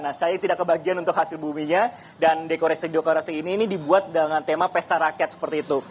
nah saya tidak kebagian untuk hasil buminya dan dekorasi dekorasi ini ini dibuat dengan tema pesta rakyat seperti itu